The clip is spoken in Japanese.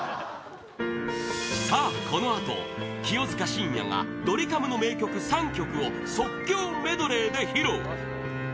さあ、このあと清塚信也がドリカムの名曲３曲を即興メドレーで披露！